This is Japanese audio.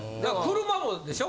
車もでしょ？